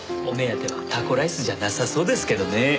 お目当てはタコライスじゃなさそうですけどね。